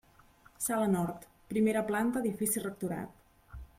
Sala nord, primera planta edifici Rectorat.